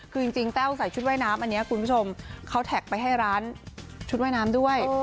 คือจริงแต้วใส่ชุดว่ายน้ำอันนี้คุณผู้ชมเขาแท็กไปให้ร้านชุดว่ายน้ำด้วย